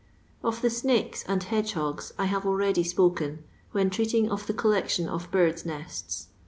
Of the Snake9 and Bedaehogg I have already spoken, when treating of the collection of birds' nests.